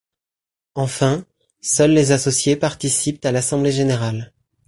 Enfin, seuls les associés participent à l'assemblée générale.